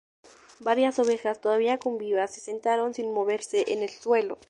Varias ovejas, todavía con viva, se sentaron sin moverse en el suelo.